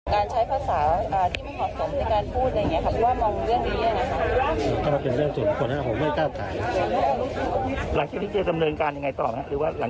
และกำลังดูในเรื่องหลักฐานเราก็ต้องเตรียมเอาไว้